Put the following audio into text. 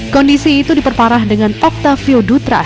kondisi itu diperparah dengan octavio dutra